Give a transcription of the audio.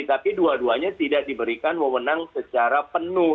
tapi dua duanya tidak diberikan mewenang secara penuh